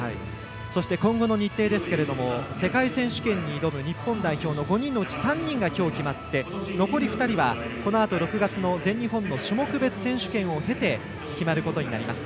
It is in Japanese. そして、今後の日程ですが世界選手権に挑む日本代表の５人のうち３人がきょう決まって残り２人はこのあと６月の全日本の種目別選手権を経て決まることになります。